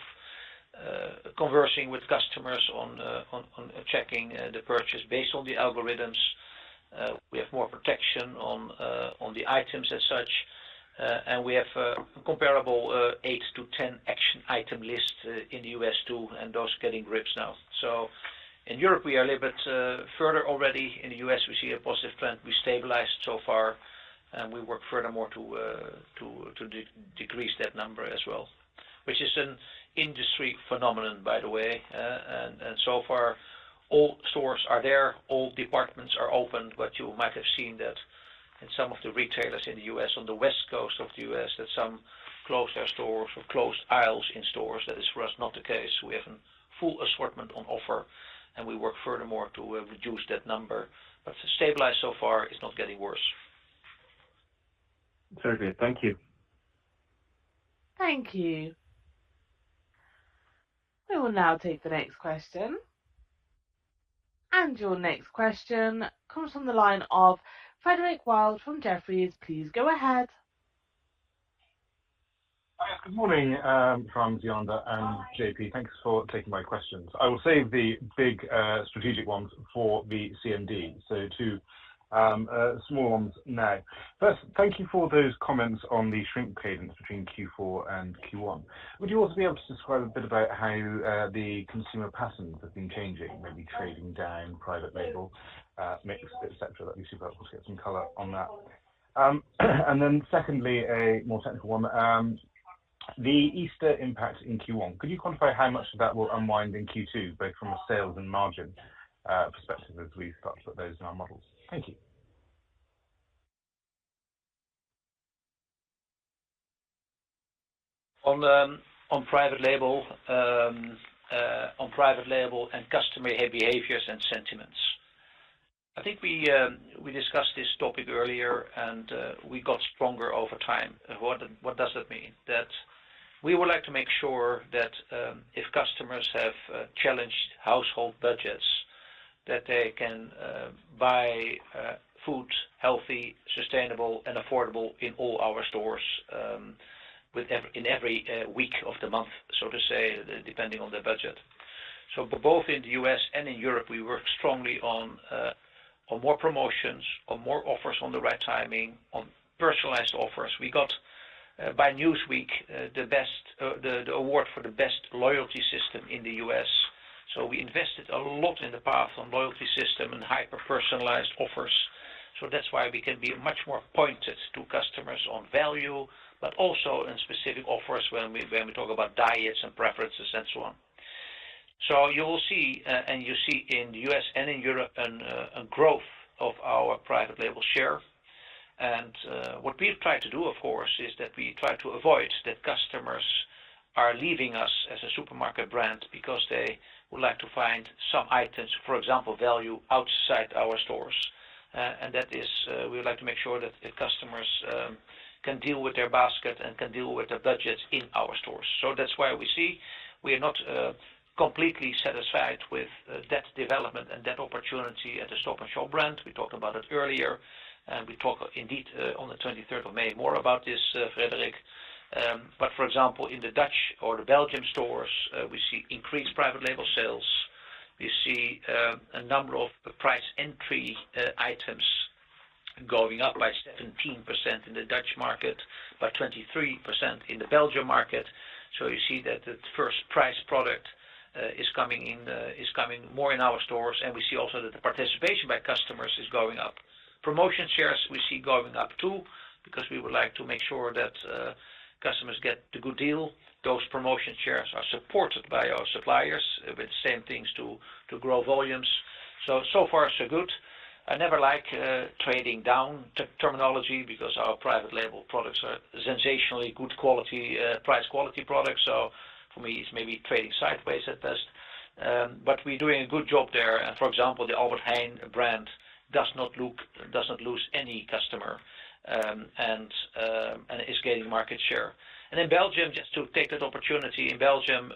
conversing with customers on checking the purchase based on the algorithms. We have more protection on the items as such, and we have a comparable 8-10 action item list in the US, too, and those are getting grips now. So in Europe, we are a little bit further already. In the US, we see a positive trend. We stabilized so far, and we work furthermore to decrease that number as well, which is an industry phenomenon, by the way. And so far, all stores are there. All departments are open, but you might have seen that in some of the retailers in the U.S., on the west coast of the U.S., that some closed their stores or closed aisles in stores. That is for us not the case. We have a full assortment on offer, and we work furthermore to reduce that number. But stabilized so far, it's not getting worse. Very good. Thank you. Thank you. We will now take the next question. Your next question comes from the line of Frederick Wild from Jefferies. Please go ahead. Hi. Good morning, Frans, Jolanda, and JP. Thanks for taking my questions. I will save the big strategic ones for the CMD, so two small ones now. First, thank you for those comments on the shrink cadence between Q4 and Q1. Would you also be able to describe a bit about how the consumer patterns have been changing, maybe trading down private label mix, etc.? That'd be super helpful to get some color on that. And then secondly, a more technical one, the Easter impact in Q1. Could you quantify how much of that will unwind in Q2, both from a sales and margin perspective as we start to put those in our models? Thank you. On private label and customer behaviors and sentiments, I think we discussed this topic earlier, and we got stronger over time. What does that mean? That we would like to make sure that if customers have challenged household budgets, that they can buy food healthy, sustainable, and affordable in all our stores in every week of the month, so to say, depending on their budget. So both in the US and in Europe, we work strongly on more promotions, on more offers on the right timing, on personalized offers. We got, by Newsweek, the award for the best loyalty system in the U.S. So we invested a lot in the past on loyalty system and hyper-personalized offers. So that's why we can be much more pointed to customers on value, but also in specific offers when we talk about diets and preferences and so on. So you will see, and you see in the U.S. and in Europe, a growth of our private label share. And what we've tried to do, of course, is that we try to avoid that customers are leaving us as a supermarket brand because they would like to find some items, for example, value outside our stores. And we would like to make sure that customers can deal with their basket and can deal with their budgets in our stores. So that's why we see we are not completely satisfied with that development and that opportunity at the Stop & Shop brand. We talked about it earlier, and we talk indeed on the May 23rd more about this, Frederick. But for example, in the Dutch or the Belgian stores, we see increased private label sales. We see a number of price entry items going up by 17% in the Dutch market, by 23% in the Belgian market. So you see that the first priced product is coming more in our stores, and we see also that the participation by customers is going up. Promotion shares we see going up, too, because we would like to make sure that customers get the good deal. Those promotion shares are supported by our suppliers with the same things to grow volumes. So far, so good. I never like trading down terminology because our private label products are sensationally good price-quality products. So for me, it's maybe trading sideways at best. But we're doing a good job there. For example, the Albert Heijn brand does not lose any customer and is gaining market share. In Belgium, just to take that opportunity, in Belgium,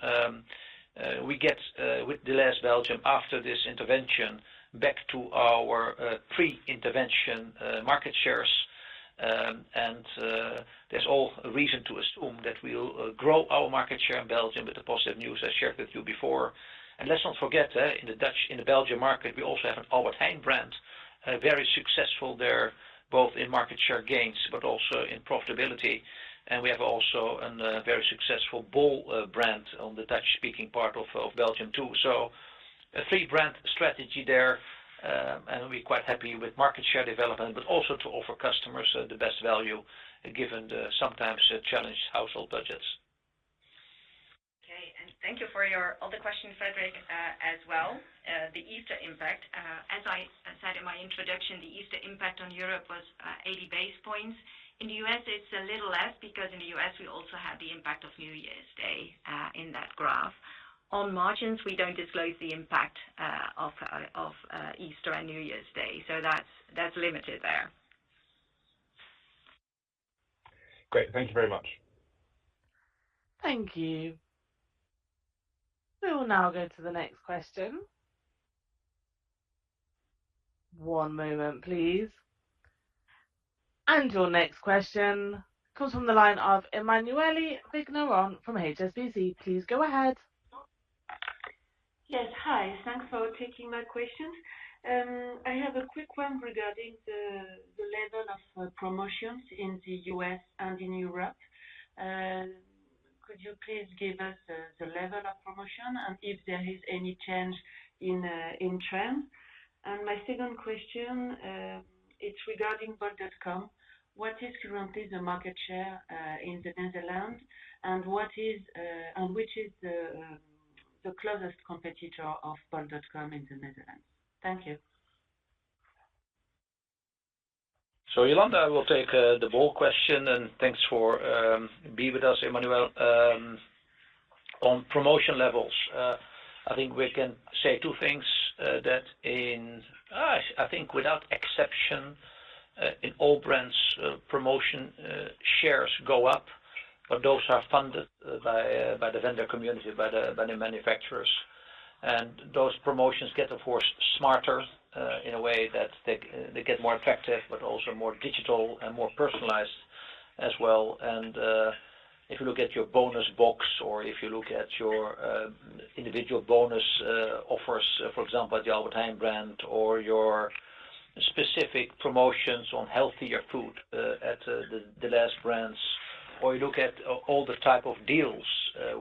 we get with Delhaize Belgium after this intervention back to our pre-intervention market shares. There's all reason to assume that we'll grow our market share in Belgium with the positive news I shared with you before. Let's not forget, in the Belgian market, we also have an Albert Heijn brand, very successful there both in market share gains but also in profitability. We have also a very successful Bol brand on the Dutch-speaking part of Belgium, too. A three-brand strategy there, and we're quite happy with market share development but also to offer customers the best value given sometimes challenged household budgets. Okay. And thank you for all the questions, Frederick, as well. The Easter impact, as I said in my introduction, the Easter impact on Europe was 80 basis points. In the U.S., it's a little less because in the U.S., we also have the impact of New Year's Day in that graph. On margins, we don't disclose the impact of Easter and New Year's Day. So that's limited there. Great. Thank you very much. Thank you. We will now go to the next question. One moment, please. Your next question comes from the line of Emmanuelle Vigneron from HSBC. Please go ahead. Yes. Hi. Thanks for taking my questions. I have a quick one regarding the level of promotions in the U.S. and in Europe. Could you please give us the level of promotion and if there is any change in trend? My second question, it's regarding Bol.com. What is currently the market share in the Netherlands, and which is the closest competitor of Bol.com in the Netherlands? Thank you. So Jolanda, I will take the Bol question, and thanks for being with us, Emmanuelle. On promotion levels, I think we can say two things that I think without exception, in all brands, promotion shares go up, but those are funded by the vendor community, by the manufacturers. And those promotions get, of course, smarter in a way that they get more attractive but also more digital and more personalized as well. And if you look at your Bonus Box or if you look at your individual bonus offers, for example, at the Albert Heijn brand or your specific promotions on healthier food at the Delhaize brands, or you look at all the type of deals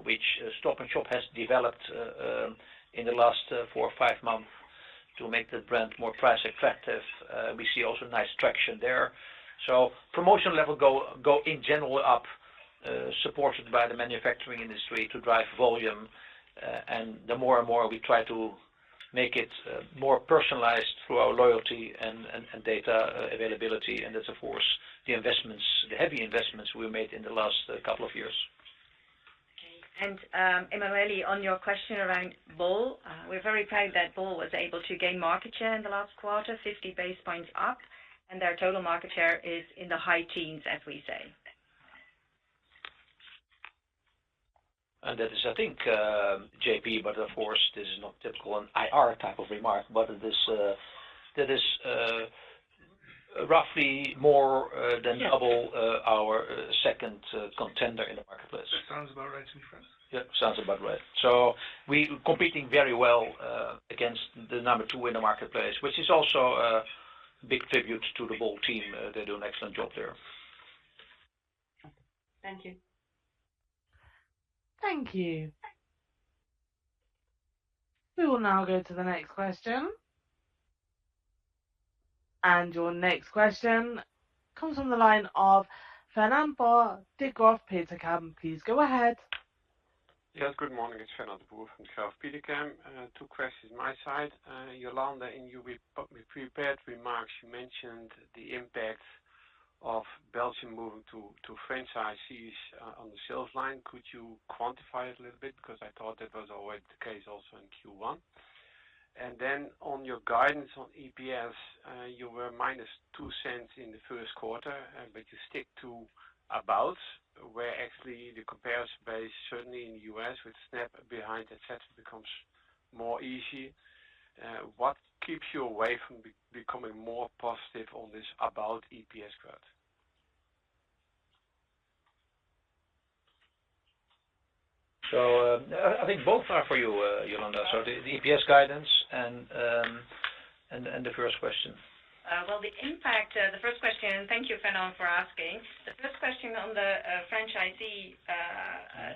which Stop & Shop has developed in the last four or five months to make the brand more price-attractive, we see also nice traction there. Promotion level go in general up, supported by the manufacturing industry to drive volume. The more and more we try to make it more personalized through our loyalty and data availability. That's, of course, the heavy investments we've made in the last couple of years. Okay. And Emmanuelle, on your question around Bol, we're very proud that Bol was able to gain market share in the last quarter, 50 basis points up, and their total market share is in the high teens, as we say. And that is, I think, JP, but of course, this is not typical an IR type of remark, but it is roughly more than double our second contender in the marketplace. That sounds about right to me, Frans. Yep. Sounds about right. We're competing very well against the number two in the marketplace, which is also a big tribute to the Bol team. They're doing an excellent job there. Thank you. Thank you. We will now go to the next question. Your next question comes from the line of Fernand de Boer of Degroof Petercam. Please go ahead. Yes. Good morning. It's Fernand de Boer, Degroof Petercam. Two questions from my side. Jolanda, in your prepared remarks, you mentioned the impact of Belgium moving to franchises on the sales line. Could you quantify it a little bit? Because I thought that was already the case also in Q1. And then on your guidance on EPS, you were -$0.02 in the first quarter, but you stick to about, where actually the comparison base, certainly in the U.S., with SNAP behind, etc., becomes more easy. What keeps you away from becoming more positive on this about EPS growth? I think both are for you, Jolanda. The EPS guidance and the first question. Well, the first question, thank you, Fernand, for asking. The first question on the franchisee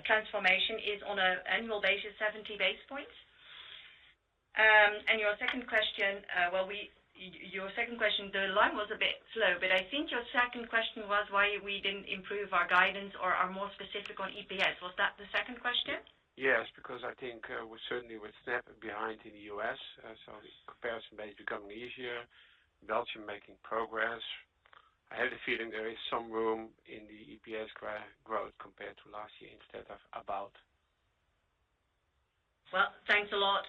transformation is on an annual basis, 70 basis points. And your second question, well, your second question, the line was a bit slow, but I think your second question was why we didn't improve our guidance or are more specific on EPS. Was that the second question? Yes. Because I think certainly with SNAP behind in the U.S., so the comparison base becoming easier, Belgium making progress, I have the feeling there is some room in the EPS growth compared to last year instead of about. Well, thanks a lot.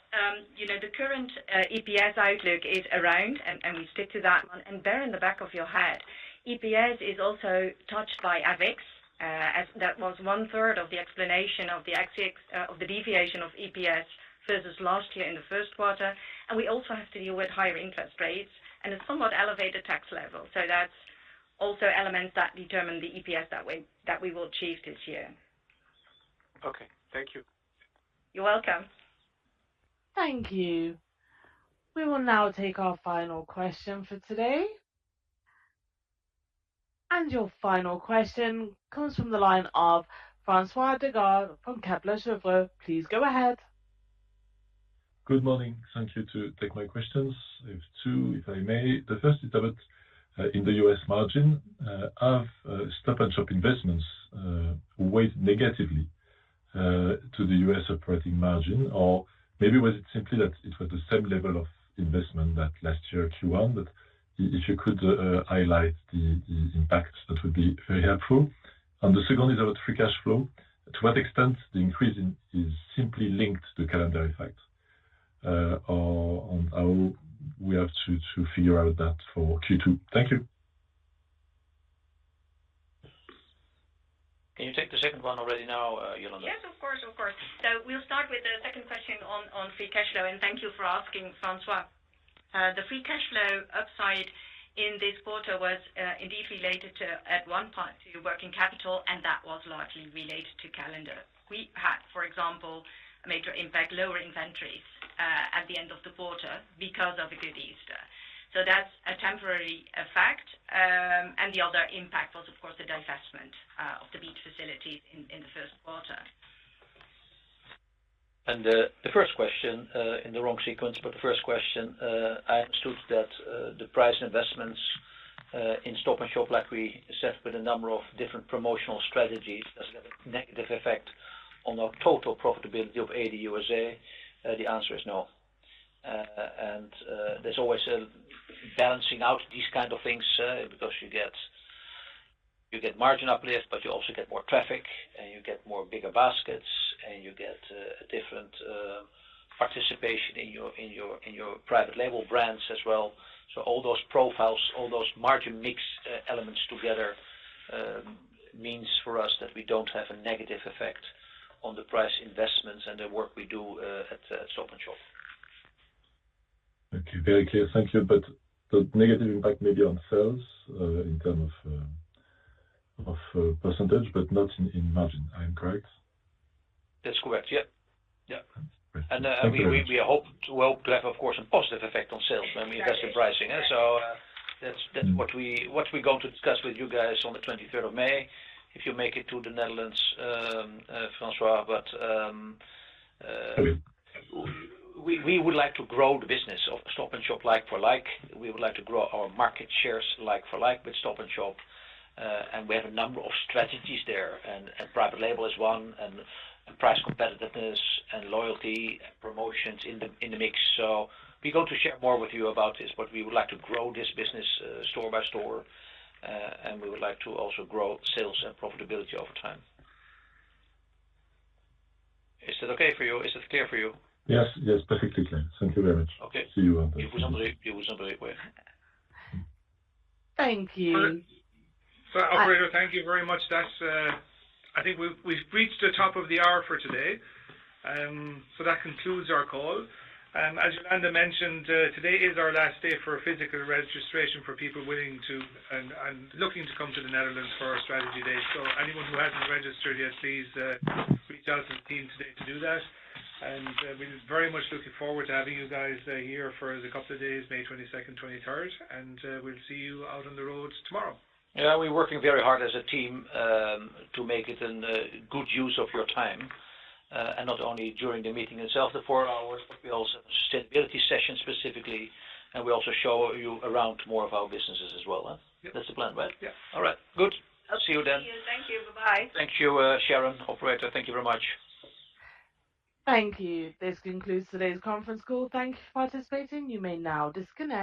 The current EPS outlook is around, and we stick to that one. And bear in the back of your head, EPS is also touched by FX. That was one-third of the explanation of the deviation of EPS versus last year in the first quarter. And we also have to deal with higher interest rates and a somewhat elevated tax level. So that's also elements that determine the EPS that we will achieve this year. Okay. Thank you. You're welcome. Thank you. We will now take our final question for today. Your final question comes from the line of François Digard from Kepler Cheuvreux. Please go ahead. Good morning. Thank you to take my questions, if two, if I may. The first is about in the U.S. margin, have Stop & Shop investments weighed negatively to the U.S. operating margin? Or maybe was it simply that it was the same level of investment that last year Q1? But if you could highlight the impacts, that would be very helpful. And the second is about free cash flow. To what extent the increase is simply linked to calendar effect? And we have to figure out that for Q2. Thank you. Can you take the second one already now, Jolanda? Yes. Of course. Of course. So we'll start with the second question on free cash flow, and thank you for asking, François. The free cash flow upside in this quarter was indeed related at one part to working capital, and that was largely related to calendar. We had, for example, a major impact, lower inventories at the end of the quarter because of a good Easter. So that's a temporary effect. And the other impact was, of course, the divestment of the FreshDirect facility in the first quarter. And the first question in the wrong sequence, but the first question, I understood that the price investments in Stop & Shop, like we said, with a number of different promotional strategies, does it have a negative effect on our total profitability of Ahold USA? The answer is no. There's always balancing out these kind of things because you get margin uplift, but you also get more traffic, and you get bigger baskets, and you get a different participation in your private label brands as well. All those profiles, all those margin mix elements together means for us that we don't have a negative effect on the price investments and the work we do at Stop & Shop. Okay. Very clear. Thank you. But the negative impact may be on sales in terms of percentage, but not in margin. I am correct? That's correct. Yep. Yep. And we hope to have, of course, a positive effect on sales when we invest in pricing. So that's what we're going to discuss with you guys on the May 23rd, if you make it to the Netherlands, François. But we would like to grow the business of Stop & Shop like for like. We would like to grow our market shares like for like with Stop & Shop. And we have a number of strategies there. And private label is one, and price competitiveness, and loyalty, and promotions in the mix. So we're going to share more with you about this, but we would like to grow this business store by store, and we would like to also grow sales and profitability over time. Is that okay for you? Is that clear for you? Yes. Yes. Perfectly clear. Thank you very much. See you on the. Okay. You will soon be aware. Thank you. So Operator, thank you very much. I think we've reached the top of the hour for today. So that concludes our call. As Jolanda mentioned, today is our last day for physical registration for people willing to and looking to come to the Netherlands for our strategy day. So anyone who hasn't registered yet, please reach out to the team today to do that. And we're very much looking forward to having you guys here for the couple of days, May 22nd, 23rd. And we'll see you out on the roads tomorrow. Yeah. We're working very hard as a team to make it a good use of your time, and not only during the meeting itself, the four hours, but we also have a sustainability session specifically. And we also show you around more of our businesses as well. That's the plan, right? Yep. All right. Good. See you then. Thank you. Thank you. Bye-bye. Thank you, Sharon, Operator. Thank you very much. Thank you. This concludes today's conference call. Thank you for participating. You may now disconnect.